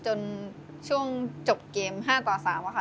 จนช่วงจบเกม๕ต่อ๓ค่ะ